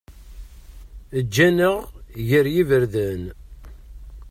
Ǧǧan-aɣ gar yiberdan.